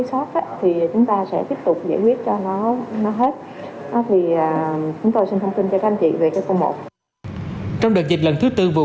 cho nó hết thì chúng tôi xin thông tin cho các anh chị về cái câu một trong đợt dịch lần thứ tư vừa